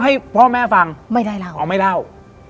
ได้รู้มั้ยแล้วเล่าให้พ่อแม่ฟัง